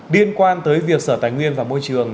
liên quan tới việc sở tài nguyên và môi trường